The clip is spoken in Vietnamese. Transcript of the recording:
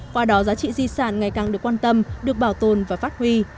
qua đó giá trị di sản ngày càng được quan tâm được bảo tồn và phát huy